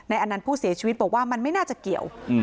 อันนั้นผู้เสียชีวิตบอกว่ามันไม่น่าจะเกี่ยว